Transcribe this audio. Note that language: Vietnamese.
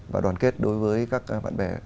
và đoàn kết đối với các bạn bè